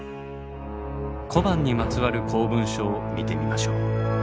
小判にまつわる公文書を見てみましょう。